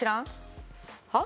はっ？